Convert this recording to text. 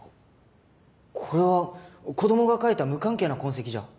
これは子供が描いた無関係な痕跡じゃ。